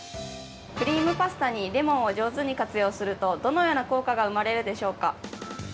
クリームパスタにレモンを上手に活用すると、どのような効果が生まれるでしょうか？